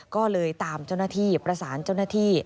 ก็เลยตามเจ้าหน้าที่ประสานเจ้าหน้าที่